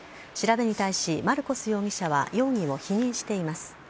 調べに対しマルコス容疑者は容疑を否認しています。